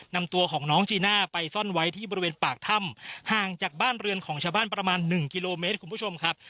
นำตัวของน้องจีน่าไปซ่อนไว้ที่บริเวณปากถ้ำห่างจากบ้านเรือนของชาวบ้านประมาณหนึ่งกิโลเมตรคุณผู้ชมครับ